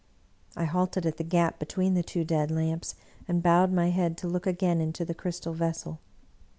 I halted at the gap between the two dead lamps, and bowed my head to look again into the crystal vessel.